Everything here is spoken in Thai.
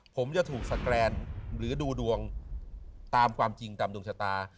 ผมจะถูกสแกรนหรือดูดวงตามความจริงตามดวงชะตา